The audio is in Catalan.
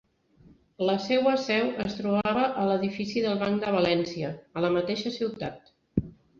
La seua seu es trobava a l'Edifici del Banc de València, a la mateixa ciutat.